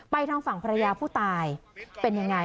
ทางฝั่งภรรยาผู้ตายเป็นยังไง